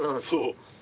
そう。